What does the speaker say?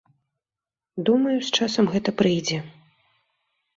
Думаю, з часам гэта прыйдзе.